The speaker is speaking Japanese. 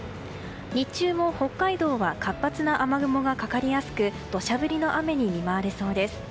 日中も北海道は活発な雨雲がかかりやすく土砂降りの雨に見舞われそうです。